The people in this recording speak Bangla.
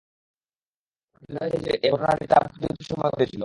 তাতে রয়েছে যে, এ ঘটনাটি তাবুকের যুদ্ধের সময় ঘটেছিল!